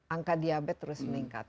angka diabetes terus meningkat